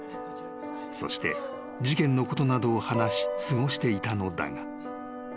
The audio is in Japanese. ［そして事件のことなどを話し過ごしていたのだが］